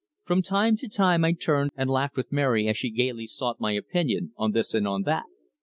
From time to time I turned and laughed with Mary as she gaily sought my opinion on this and on that.